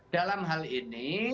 dalam hal ini